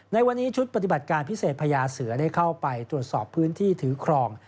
ในวันนี้ชุดปฏิบัติการพิเศษพญาเสือได้เข้าไปตรวจสอบพื้นที่ถือครอง